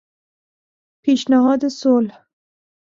پیشنهاد صلح